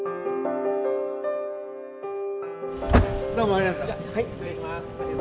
どうもありがとう。